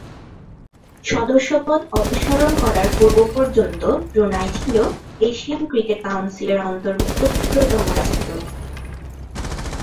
সদস্যপদ অপসারণ করার পূর্ব পর্যন্ত ব্রুনাই ছিল এশিয়ান ক্রিকেট কাউন্সিলের অন্তর্ভুক্ত ক্ষুদ্রতম রাষ্ট্র।